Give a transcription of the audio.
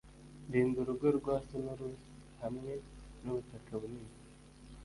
Rinda urugo rwa sonorous hamwe nubutaka bunini